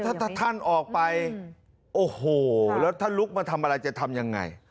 ถ้าท่านออกไปโอ้โหแล้วถ้าลุกมาทำอะไรจะทำยังไง